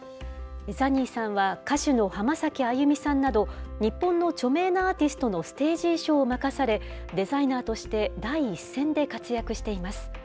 ザニーさんは、歌手の浜崎あゆみさんなど、日本の著名なアーティストのステージ衣装を任され、デザイナーとして、第一線で活躍しています。